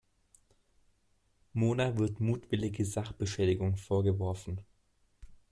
Mona wird mutwillige Sachbeschädigung vorgeworfen.